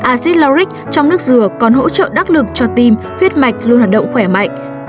acid laric trong nước dừa còn hỗ trợ đắc lực cho tim huyết mạch luôn hoạt động khỏe mạnh